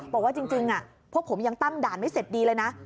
บอกว่าจริงพวกผมยังตั้งด่านไม่เสร็จดีเลยนะ